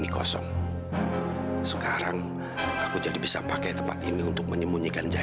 kondisi pak prabu